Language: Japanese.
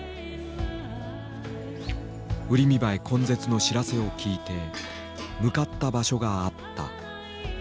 ウリミバエ根絶の知らせを聞いて向かった場所があった。